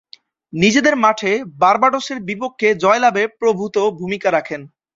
নিজেদের মাঠে বার্বাডোসের বিপক্ষে জয়লাভে প্রভূতঃ ভূমিকা রাখেন।